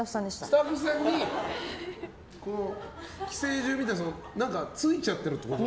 スタッフさんに寄生獣みたいについちゃってるってこと？